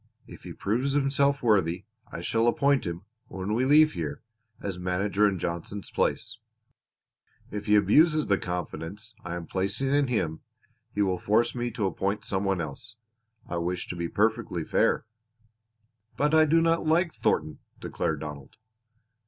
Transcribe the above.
If he proves himself worthy, I shall appoint him, when we leave here, as manager in Johnson's place; if he abuses the confidence I am placing in him he will force me to appoint some one else. I wish to be perfectly fair." "But I do not like Thornton," declared Donald.